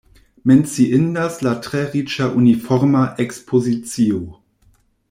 Menciindas la tre riĉa uniforma ekspozicio.